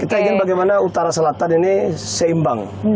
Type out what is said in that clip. kita ingin bagaimana utara selatan ini seimbang